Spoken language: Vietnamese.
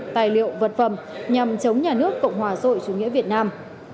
tài liệu vật phẩm nhằm chống nhà nước cộng hòa rồi chủ nghĩa việt nam